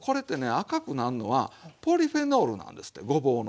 赤くなんのはポリフェノールなんですってごぼうの。